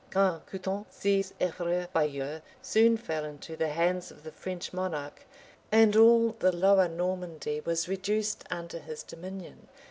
Caen, Coutance, Seez, Evreux, Baieux, soon fell into the hands of the French monarch, and all the lower Normandy was reduced under his dominion!